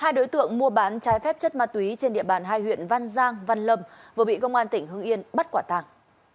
hai đối tượng mua bán trái phép chất ma túy trên địa bàn hai huyện văn giang văn lâm vừa bị công an tỉnh hưng yên bắt quả tàng